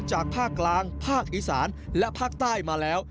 จากภาคกลางภาคอีสานและภาคใต้มาแล้ว